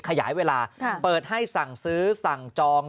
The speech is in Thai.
ขยายเวลาเปิดให้สั่งซื้อสั่งจอง